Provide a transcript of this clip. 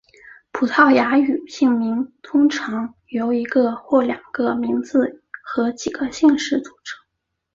葡萄牙语姓名通常由一个或两个名字和几个姓氏组成。